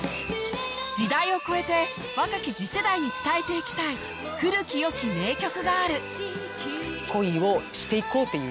時代を超えて若き次世代に伝えていきたい古き良き名曲がある